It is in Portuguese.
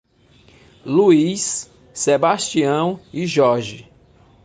Luís, Sebastião e Jorge